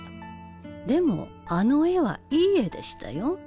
でもあの絵はいい絵でしたよ。